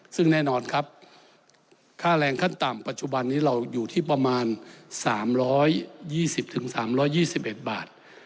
ซึ่งแน่นอนครับค่าแรงขั้นต่ำปัจจุบันนี้เราอยู่ที่ประมาณ๓๒๐๓๒๑บาท